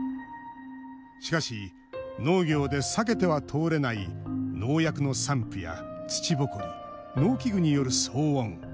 しかし、農業で避けては通れない農薬の散布や土ぼこり農機具による騒音。